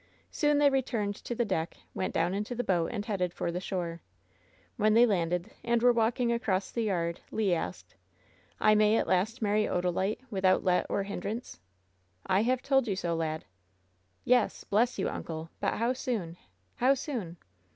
Soon they returned to the deck, went down into the boat, and headed for the shore. When they landed, and were walking across the yard, Le asked: "I may at last marry Odalite without let or hin drance ?" "I have told you so, lad!" "Yes, bless you, uncle! But how soon? How soon!"